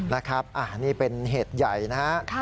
นะครับนี่เป็นเหตุใหญ่นะฮะ